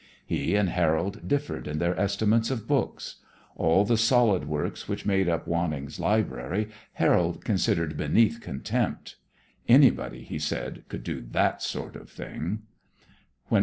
He and Harold differed in their estimates of books. All the solid works which made up Wanning's library, Harold considered beneath contempt. Anybody, he said, could do that sort of thing.